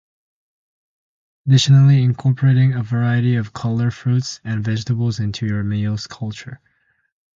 Additionally, incorporating a variety of colorful fruits and vegetables into your meals is crucial.